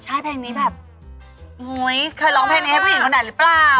ใช่เพลงนี้แบบเคยร้องเพลงนี้ให้ผู้หญิงคนไหนหรือเปล่า